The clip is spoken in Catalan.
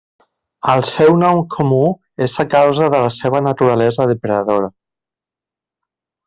El seu nom comú és a causa de la seva naturalesa depredadora.